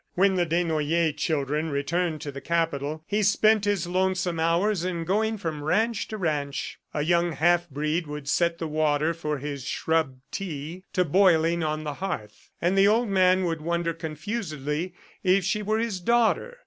When the Desnoyers children returned to the Capital, he spent his lonesome hours in going from ranch to ranch. A young half breed would set the water for his shrub tea to boiling on the hearth, and the old man would wonder confusedly if she were his daughter.